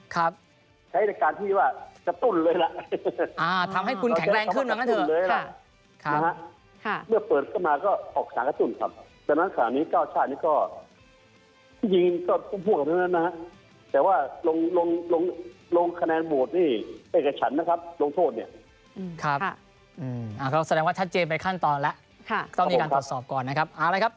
ครับอ้าวเขาแสดงว่าชัดเจนไปขั้นตอนแล้วต้องมีการตรวจสอบก่อนนะครับเอาเลยครับ